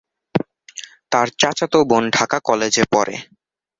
তার চাচাতো বোন ঢাকা কলেজে পড়ে।